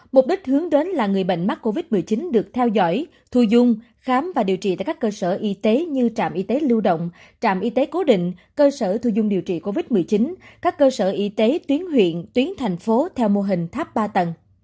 mục đích hướng đến là người bệnh mắc covid một mươi chín được theo dõi thu dung khám và điều trị tại các cơ sở y tế như trạm y tế lưu động trạm y tế cố định cơ sở thu dung điều trị covid một mươi chín các cơ sở y tế tuyến huyện tuyến thành phố theo mô hình tháp ba tầng